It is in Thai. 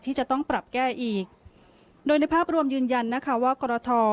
ที่จะต้องปรับแก้อีกโดยในภาพรวมยืนยันนะคะว่ากรท